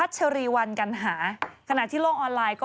ความรู้สึกของคนเป็นพ่อเนอะ